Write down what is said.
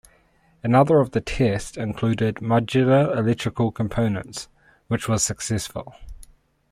Another of the tests included modular electrical components, which was successful.